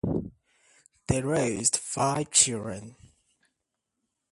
They raised five children.